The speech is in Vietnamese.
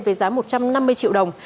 với giá một trăm năm mươi triệu đồng